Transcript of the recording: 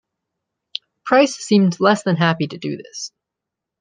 Price seemed less than happy to do this.